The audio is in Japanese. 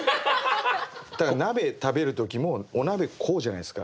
だから鍋食べる時もお鍋こうじゃないっすか。